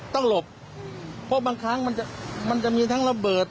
หลบเพราะบางครั้งมันจะมีทั้งระเบิด